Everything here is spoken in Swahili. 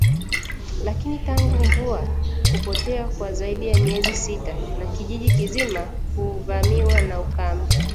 lakini tangu mvua kupotea kwa zaidi ya miezi sita na kijiji kizima kuvamiwa na ukame